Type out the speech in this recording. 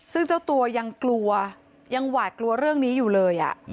ซึ่งเจ้าตัวยังกลัวยังหวาดกลัวเรื่องนี้อยู่เลย